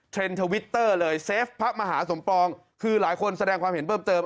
ทวิตเตอร์เลยเซฟพระมหาสมปองคือหลายคนแสดงความเห็นเพิ่มเติม